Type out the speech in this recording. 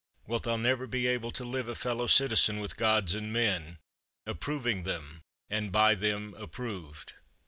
Wilt thou never be able to live a fellow citizen with Gods and men, approving them and by them approved?